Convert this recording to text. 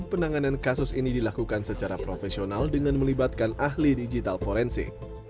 penanganan kasus ini dilakukan secara profesional dengan melibatkan ahli digital forensik